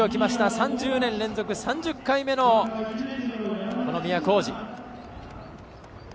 ３０年連続３０回目の都大路。